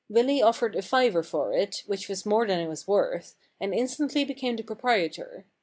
Willy offered a fiver for it, which was more than it was worth, and instantly became the proprietor.